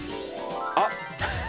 あっ！